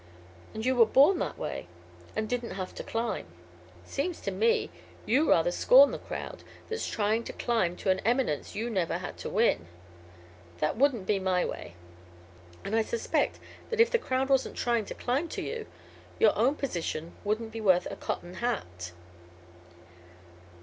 And you were born that way, and didn't have to climb. Seems to me you rather scorn the crowd that's trying to climb to an eminence you never had to win. That wouldn't be my way. And I suspect that if the crowd wasn't trying to climb to you, your own position wouldn't be worth a cotton hat."